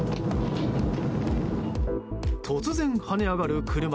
突然、跳ね上がる車。